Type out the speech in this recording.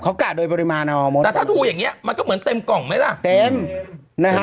เขากะโดยปริมาณออร์มสตรงแต่ถ้าดูอย่างนี้มันก็เหมือนเต็มกล่องไหมล่ะ